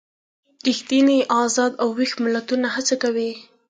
ریښتیني ازاد او ویښ ملتونه هڅې کوي.